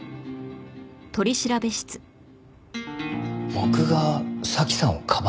僕が早紀さんをかばってる？